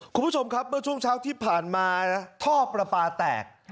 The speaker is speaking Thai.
คุณผู้ชมครับเมื่อช่วงเช้าที่ผ่านมาท่อประปาแตก